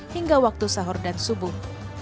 hingga waktu sahur dan subuh